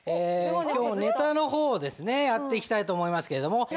今日もネタの方をですねやっていきたいと思いますけれども。